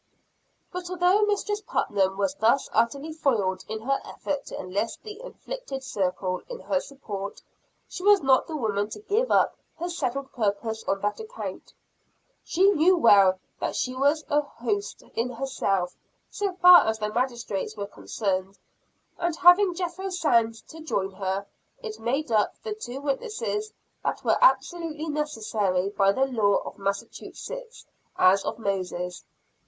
But although Mistress Putnam was thus utterly foiled in her effort to enlist the "afflicted circle" in her support, she was not the woman to give up her settled purpose on that account. She knew well that she was a host in herself, so far as the magistrates were concerned. And, having Jethro Sands to join her, it made up the two witnesses that were absolutely necessary by the law of Massachusetts as of Moses.